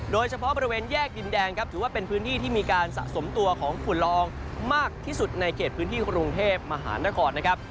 โดยเฉพาะบริเวณแยกดินแดงครับถือว่าเป็นพื้นที่ที่มีการสะสมตัวของฝุ่นลองมากที่สุดในเขตพื้นที่กรุงเทพมหานครนะครับ